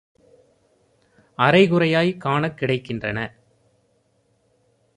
அரைகுறையாய்க் காணக் கிடைக்கின்றன.